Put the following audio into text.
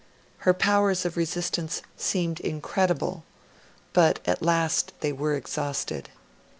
Her powers of resistance seemed incredible, but at last they were exhausted.